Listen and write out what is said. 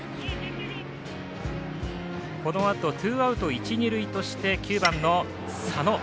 このあとツーアウト、一塁二塁として９番の佐野。